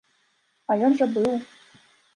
А ён жа быў.